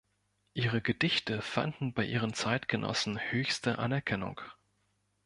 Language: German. Ihre Gedichte fanden bei ihren Zeitgenossen höchste Anerkennung.